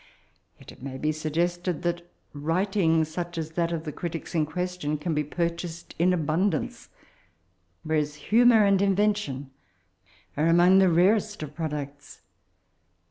Yet it may be suggested that writing such as that of the critics in question can ^be purchased in abundance, whereas humour and invention are among tbe rarest of products.